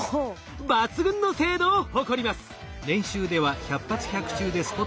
抜群の精度を誇ります。